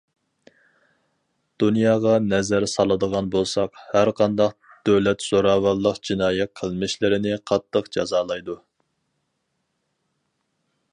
دۇنياغا نەزەر سالىدىغان بولساق، ھەرقانداق دۆلەت زوراۋانلىق جىنايى قىلمىشلىرىنى قاتتىق جازالايدۇ.